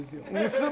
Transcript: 娘。